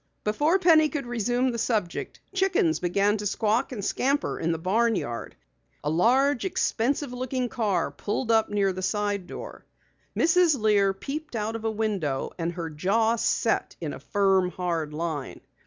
Before Penny could resume the subject, chickens began to squawk and scatter in the barn yard. A large, expensive looking car pulled up near the side door. Mrs. Lear peeped out of a window and her jaw set in a firm, hard line.